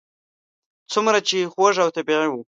څومره چې خوږ او طبیعي و.